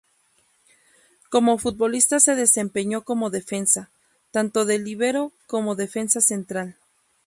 Como futbolista se desempeñó como defensa, tanto de líbero como defensa central.